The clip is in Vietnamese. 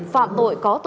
phạm tội có thể